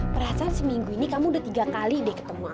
perasaan seminggu ini kamu udah tiga kali deh ketemu